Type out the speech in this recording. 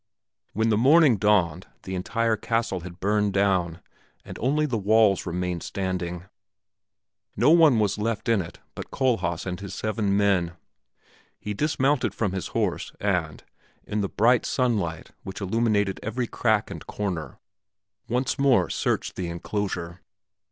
When the morning dawned the entire castle had burned down and only the walls remained standing; no one was left in it but Kohlhaas and his seven men. He dismounted from his horse and, in the bright sunlight which illuminated every crack and corner, once more searched the inclosure.